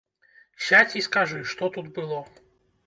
Сядзь і скажы, што тут было.